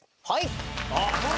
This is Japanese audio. はい！